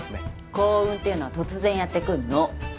幸運っていうのは突然やってくんの！